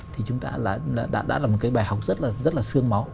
thì chúng ta đã là một cái bài học rất là sương máu